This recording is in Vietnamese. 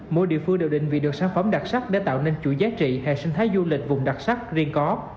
mỗi địa phương đều định vị được sản phẩm đặc sắc để tạo nên chuỗi giá trị hệ sinh thái du lịch vùng đặc sắc riêng có